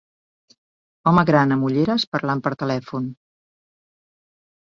Home gran amb ulleres parlant per telèfon.